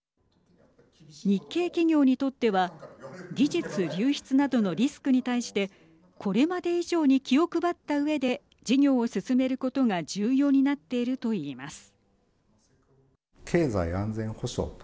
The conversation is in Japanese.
日系企業にとっては技術流出などのリスクに対してこれまで以上に気を配ったうえで事業を進めることが重要になっているといいます。